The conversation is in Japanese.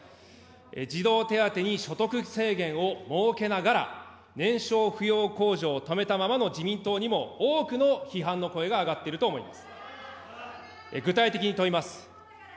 児童手当に所得制限を設けながら、年商扶養控除を止めたままの自民党にも多くの批判の声が上がっていると思います。